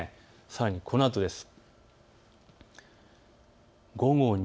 さらに、このあとです。